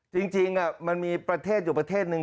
จริงมันมีประเทศอยู่ประเทศหนึ่ง